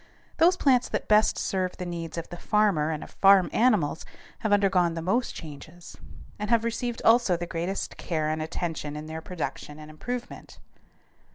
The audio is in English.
Those plants that best serve the needs of the farmer and of farm animals have undergone the most changes and have received also the greatest care and attention in their production and improvement.